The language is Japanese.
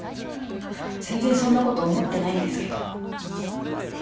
全然そんなこと思ってないんですけど。